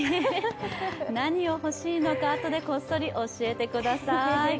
何を欲しいのか、あとでこっそり教えてください。